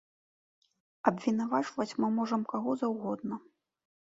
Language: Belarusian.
Абвінавачваць мы можам каго заўгодна.